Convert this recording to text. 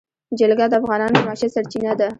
جلګه د افغانانو د معیشت سرچینه ده.